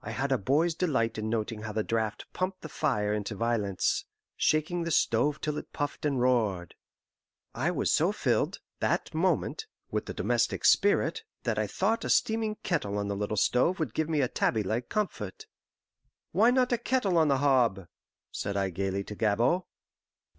I had a boy's delight in noting how the draught pumped the fire into violence, shaking the stove till it puffed and roared. I was so filled, that moment, with the domestic spirit that I thought a steaming kettle on the little stove would give me a tabby like comfort. "Why not a kettle on the hob?" said I gaily to Gabord.